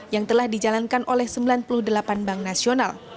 yang telah dijalankan oleh sembilan puluh delapan bank nasional